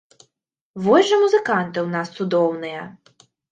Вось жа музыканты ў нас цудоўныя!